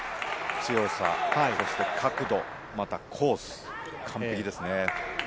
強さ、そして角度、またコースいいですね。